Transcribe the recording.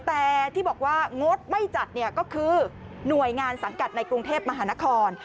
แต่ที่บอกว่างดไม่จัดเนี่ยก็คือหน่วยงานสังกัดในกรุงเทพมหานคร